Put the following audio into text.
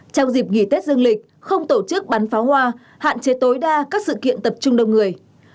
trong dịp nghỉ tết dương lịch không tổ chức bắn pháo hoa hạn chế tối đa các sự kiện tập trung đông người